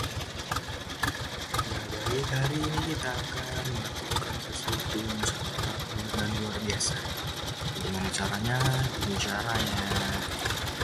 They are Latinas.